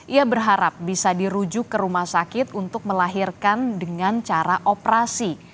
ia berharap bisa dirujuk ke rumah sakit untuk melahirkan dengan cara operasi